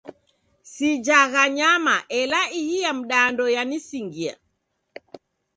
Sijagha nyama ela ihi ya mdando yanisingia.